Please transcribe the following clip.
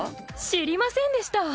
知りませんでした。